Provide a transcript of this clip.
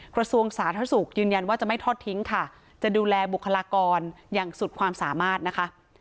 กระทรวงสาธารณสุขยืนยันว่าจะไม่ทอดทิ้งค่ะจะดูแลบุคลากรอย่างสุดความสามารถนะคะ